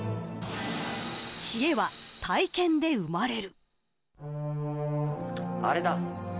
知恵は体験で生まれる。